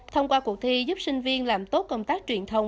thông qua cuộc thi giúp sinh viên làm tốt công tác truyền thông